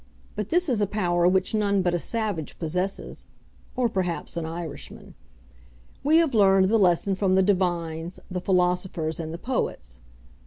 But this is a power which none but a savage possesses, or perhaps an Irishman. We have learned the lesson from the divines, the philosophers, and the poets.